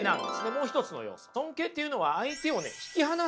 もう一つの要素。